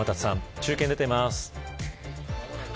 中継に出ています。